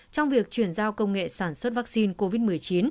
trong việc chuyển giao công nghệ sản xuất vaccine covid một mươi chín